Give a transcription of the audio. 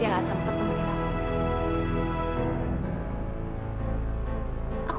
dia gak sempet nemenin aku